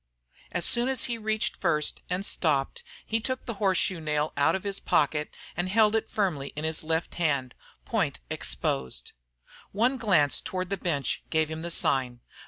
As soon as he reached first and stopped he took the horseshoe nail out of his pocket and held it firmly in his left hand, point exposed. One glance toward the bench gave him the sign.